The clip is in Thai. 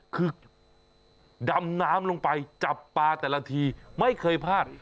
คือดำน้ำลงไปจับปลาแต่ละทีไม่เคยพลาด